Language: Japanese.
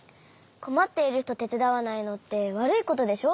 こまっているひとてつだわないのってわるいことでしょ？